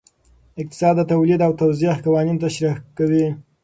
اقتصاد د تولید او توزیع قوانین تشریح کوي.